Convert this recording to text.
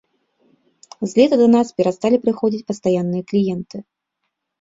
З лета да нас перасталі прыходзіць пастаянныя кліенты.